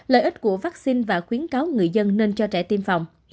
lợi ích của vaccine và khuyến cáo người dân nên cho trẻ tiêm phòng